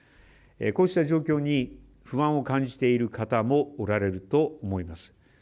こうした状況に不安を感じている方もおられると思います。